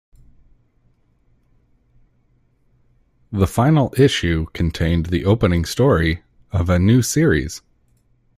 The final issue contained the opening story of a new series.